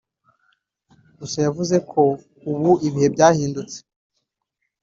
Gusa yavuze ko ubu ibihe byahindutse